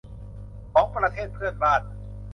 ของประเทศเพื่อนบ้าน